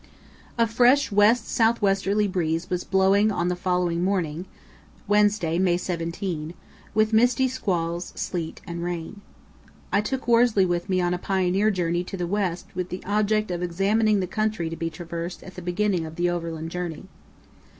A fresh west south westerly breeze was blowing on the following morning (Wednesday, May 17), with misty squalls, sleet, and rain. I took Worsley with me on a pioneer journey to the west with the object of examining the country to be traversed at the beginning of the overland journey.